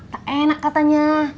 tak enak katanya